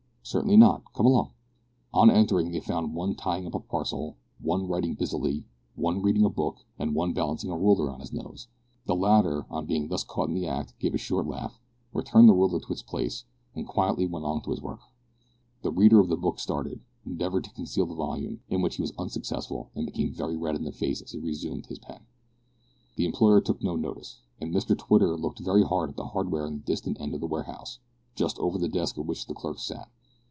"Certainly not. Come along." On entering, they found one tying up a parcel, one writing busily, one reading a book, and one balancing a ruler on his nose. The latter, on being thus caught in the act, gave a short laugh, returned the ruler to its place, and quietly went on with his work. The reader of the book started, endeavoured to conceal the volume, in which effort he was unsuccessful, and became very red in the face as he resumed his pen. The employer took no notice, and Mr Twitter looked very hard at the hardware in the distant end of the warehouse, just over the desk at which the clerks sat.